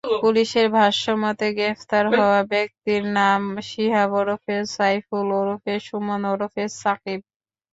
পুলিশের ভাষ্যমতে, গ্রেপ্তার হওয়া ব্যক্তির নাম শিহাব ওরফে সাইফুল ওরফে সুমন ওরফে সাকিব।